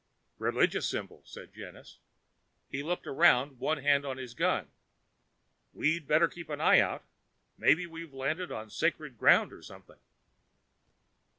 "Religious symbol," said Janus. He looked around, one hand on his gun. "We'd better keep an eye out maybe we've landed on sacred ground or something."